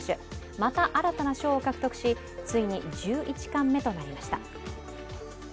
また新たな賞を獲得し、ついに１１冠目となりました。